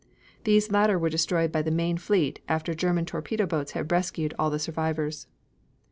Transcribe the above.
These later were destroyed by the main fleet after German torpedo boats had rescued all the survivors.